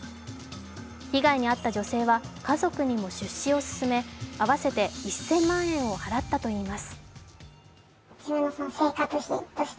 被害に遭った女性は家族にも出資を勧め、合わせて１０００万円を払ったといいます。